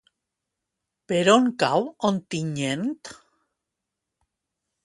Per on cau Ontinyent?